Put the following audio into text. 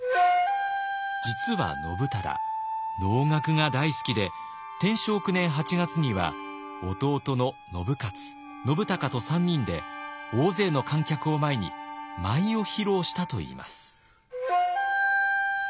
実は信忠能楽が大好きで天正９年８月には弟の信雄信孝と３人で大勢の観客を前に舞を披露したといいます。